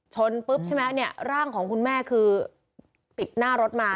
ชนปุ๊บใช่ไหมเนี่ยร่างของคุณแม่คือติดหน้ารถมา